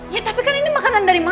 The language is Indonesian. ya tapi kan ini makanan dari mana